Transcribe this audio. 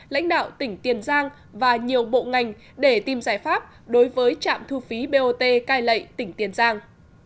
lãnh đạo tỉnh tiền giang và nhiều bộ ngành để tìm giải pháp đối với trạm thu phí bot cai lệ tỉnh tiền giang